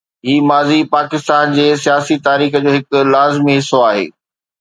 هي ماضي پاڪستان جي سياسي تاريخ جو هڪ لازمي حصو آهي.